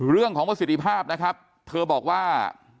เรื่องของประสิทธิภาพนะครับเธอบอกว่า